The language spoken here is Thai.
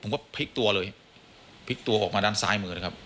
ผมก็พลิกตัวเลยพลิกตัวออกมาด้านซ้ายมือนะครับ